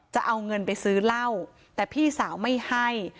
จะเอาเงินไปซื้อเหล้าแต่พี่สาวไม่ให้